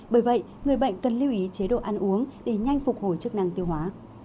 bởi vậy người bệnh cần lưu ý chế độ ăn uống để nhanh phục hồi chức năng tiêu hóa